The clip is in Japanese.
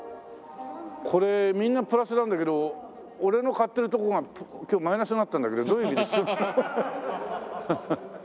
これみんなプラスなんだけど俺の買ってるとこが今日マイナスになってるんだけどどういう意味です？